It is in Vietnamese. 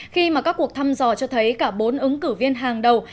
khi mà các cuộc thăm dò cho thấy cả bốn ứng cử viên hàng đầu